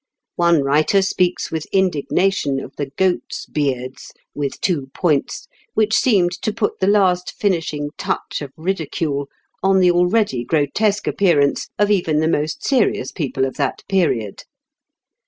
One writer speaks with indignation of the goats' beards (with two points), which seemed to put the last finishing touch of ridicule on the already grotesque appearance of even the most serious people of that period.